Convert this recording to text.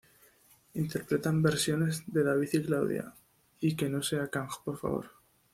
Interpretan versiones de "David y Claudia" y "Que no sea Kang, por favor".